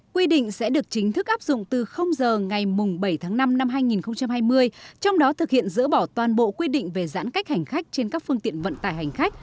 quy định sẽ được chính thức áp dụng từ giờ ngày bảy tháng năm năm hai nghìn hai mươi trong đó thực hiện dỡ bỏ toàn bộ quy định về giãn cách hành khách trên các phương tiện vận tải hành khách